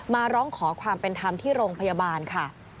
มาร้องขอความเป็นธรรมที่โรงพยาบาลค่ะ